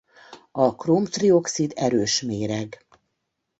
A króm-trioxid erős méreg.